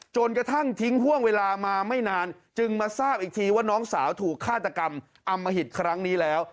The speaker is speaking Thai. จนกระทั่งทิ้งห่วงเวลามาไม่นานจึงมาทราบอีกทีว่าน้องสาวถูกฆาตกรรมอมหิตครั้งนี้แล้ว